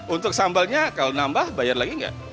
untuk sambalnya kalau nambah bayar lagi nggak